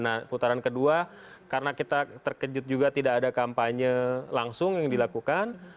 nah putaran kedua karena kita terkejut juga tidak ada kampanye langsung yang dilakukan